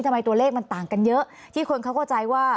ทำไมตัวเลขมันต่างกันเยอะที่คนเขาเข้าใจว่า